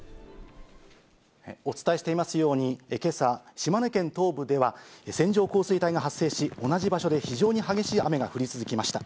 お伝えしていますように、けさ、島根県東部では線状降水帯が発生し、同じ場所で非常に激しい雨が降り続きました。